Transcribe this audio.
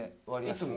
いつも？